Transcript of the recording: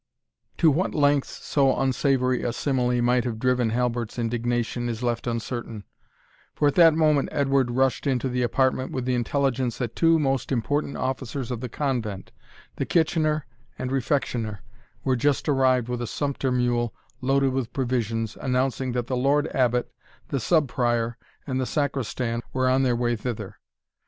To what lengths so unsavoury a simile might have driven Halbert's indignation, is left uncertain; for at that moment Edward rushed into the apartment with the intelligence that two most important officers of the Convent, the Kitchener and Refectioner, were just arrived with a sumpter mule, loaded with provisions, announcing that the Lord Abbot, the Sub Prior, and the Sacristan, were on their way thither.